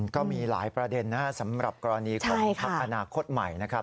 ก็มีหลายประเด็นนะครับสำหรับกรณีของพักอนาคตใหม่นะครับ